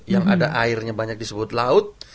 yang ada airnya banyak disebut laut